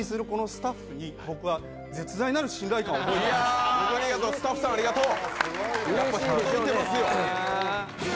ありがとう、スタッフさん、ありがとう。